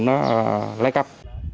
nó lấy cắp